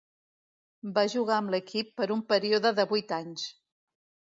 Va jugar amb l'equip per un període de vuit anys.